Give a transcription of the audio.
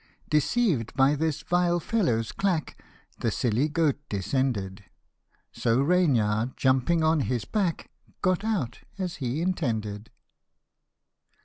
65 Deceived by this vile fellow's clack The silly goat descended ; So Reynard jumping on his back, Got out, as he intended.